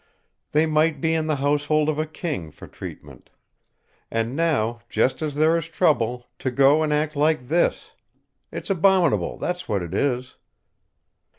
They might be in the household of a King for treatment. And now, just as there is trouble, to go and act like this. It's abominable, that's what it is!"